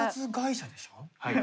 はい。